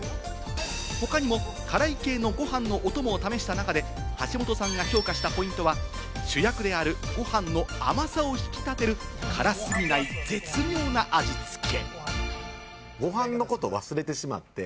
他にも辛い系のご飯のお供を試した中で橋本さんが評価したポイントは、主役であるご飯の甘さを引き立てる、辛すぎない絶妙な味付け。